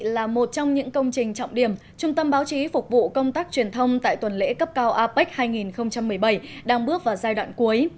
là một trong những công trình trọng điểm trung tâm báo chí phục vụ công tác truyền thông tại tuần lễ cấp cao apec hai nghìn một mươi bảy đang bước vào giai đoạn cuối